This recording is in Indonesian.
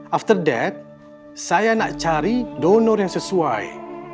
after that saya nak cari donor yang sesuai